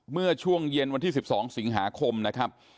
เมื่อช่วงเย็นวันที่๑๒สิงหาคมนะครับ